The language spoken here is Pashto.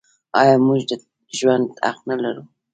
آیا موږ د ژوند حق نلرو؟